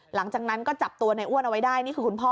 หลังจากนั้นก็จับตัวในอ้วนเอาไว้ได้นี่คือคุณพ่อ